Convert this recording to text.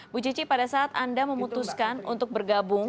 bu cici pada saat anda memutuskan untuk bergabung